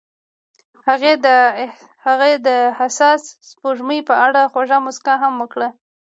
هغې د حساس سپوږمۍ په اړه خوږه موسکا هم وکړه.